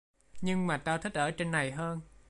Nhưng mà tao thích ở trên này hơn